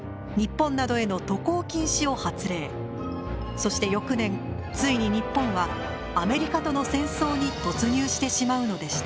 そして翌年ついに日本はアメリカとの戦争に突入してしまうのでした。